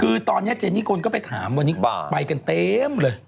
คือตอนนี้เจนี่คนก็ไปถามวันนี้ไปกันเต็มเลย